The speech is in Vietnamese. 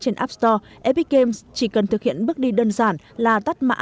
trên app store apex games chỉ cần thực hiện bước đi đơn giản là tắt mã